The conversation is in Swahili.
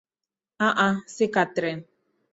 Uh-uh, si Kathrine